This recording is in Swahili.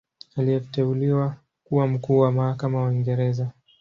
Aliteuliwa kuwa Mkuu wa Mahakama wa Uingereza.